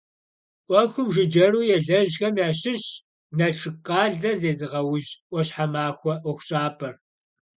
Ӏуэхум жыджэру елэжьхэм ящыщщ Налшык къалэм зезыгъэужь «ӏуащхьэмахуэ» ӀуэхущӀапӀэр.